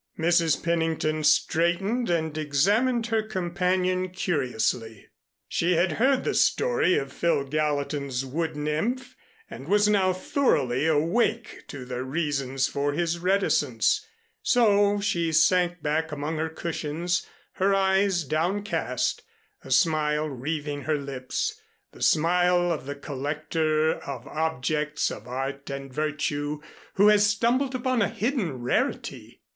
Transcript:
Mrs. Pennington straightened and examined her companion curiously. She had heard the story of Phil Gallatin's wood nymph and was now thoroughly awake to the reasons for his reticence, so she sank back among her cushions, her eyes downcast, a smile wreathing her lips, the smile of the collector of objects of art and virtue who has stumbled upon a hidden rarity.